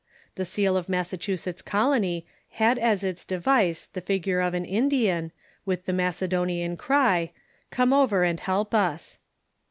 The seal of Massachusetts colony had as its device the figure of an Indian, with the Macedonian cry, " Come over and help us."